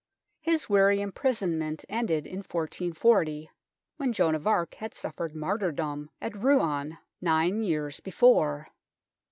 His weary imprisonment ended in 1440, when Joan of Arc had suffered martyrdom at Rouen nine years before.